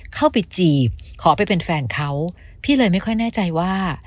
จีบขอไปเป็นแฟนเขาพี่เลยไม่ค่อยแน่ใจว่า